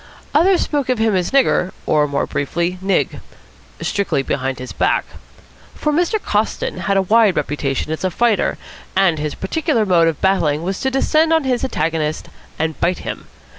Others spoke of him as Nigger, or, more briefly, Nig strictly behind his back. For Mr. Coston had a wide reputation as a fighter, and his particular mode of battling was to descend on his antagonist and bite him.